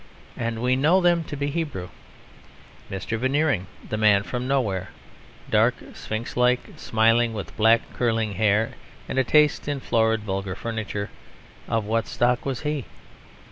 And we know them to be Hebrew. Mr. Veneering, the Man from Nowhere, dark, sphinx like, smiling, with black curling hair, and a taste in florid vulgar furniture of what stock was he?